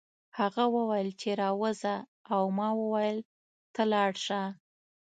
هغه وویل چې راوځه او ما وویل ته لاړ شه